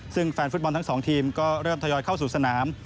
ซึ่งแฟนฟุตบอลทั้งสองทีมก็เริ่มทยอยเข้าสู่สนาม